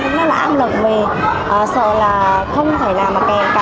cũng rất là áp lực vì sợ là không thể làm kèm cả